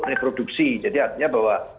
reproduksi jadi artinya bahwa